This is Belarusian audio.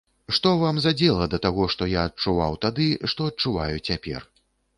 Што вам за дзела да таго, што я адчуваў тады, што адчуваю цяпер?